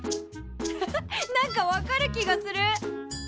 ハハッ何か分かる気がする。